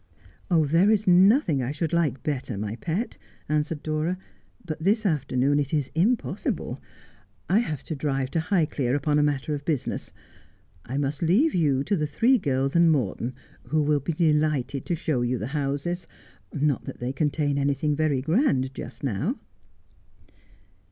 'There is nothing I should like better, my pet,' answered Dora ;' but this afternoon it is impossible. I have to drive 03 Just as I Am. to Highclere upon a matter of business. I must leave you to the three girls and Morton, who will be delighted to show you the houses — not that they contain anything very grand just now.'